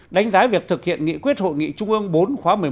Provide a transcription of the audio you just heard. đánh giá việc thực hiện nghị quyết hội nghị trung ương bốn khóa một mươi một